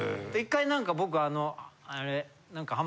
１回何か僕あの。